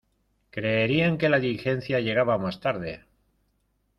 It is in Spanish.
Creerían que la diligencia llegaba más tarde.